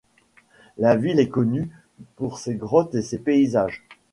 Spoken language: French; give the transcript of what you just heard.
La ville est connue pour ses grottes et ses paysages.